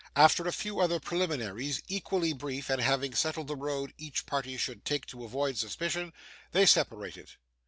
After a few other preliminaries, equally brief, and having settled the road each party should take to avoid suspicion, they separated.